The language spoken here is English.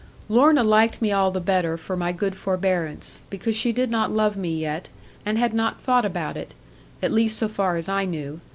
Lorna liked me all the better for my good forbearance; because she did not love me yet, and had not thought about it; at least so far as I knew.